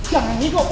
jangan nih kok